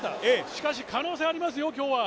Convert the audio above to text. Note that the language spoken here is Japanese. しかし可能性ありますよ、今日は。